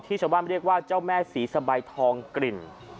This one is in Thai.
ชาวบ้านเรียกว่าเจ้าแม่ศรีสะใบทองกลิ่น